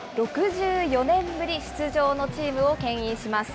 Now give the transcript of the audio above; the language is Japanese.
６４年ぶり出場のチームをけん引します。